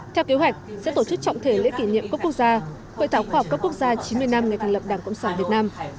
theo kế hoạch sẽ tổ chức trọng thể lễ kỷ niệm các quốc gia quậy thảo họp các quốc gia chín mươi năm ngày thành lập đảng cộng sản việt nam